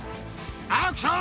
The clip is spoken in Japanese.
アクション！